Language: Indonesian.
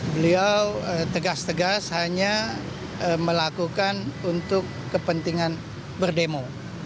beliau tegas tegas hanya melakukan untuk kepentingan berdemo